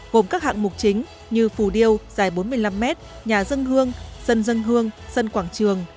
gồm các hạng mục chính như phù điêu dài bốn mươi năm mét nhà dân hương sân dân hương sân quảng trường